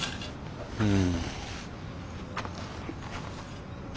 うん。